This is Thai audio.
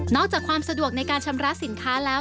จากความสะดวกในการชำระสินค้าแล้ว